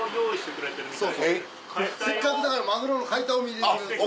せっかくだからマグロの解体を見ていただく。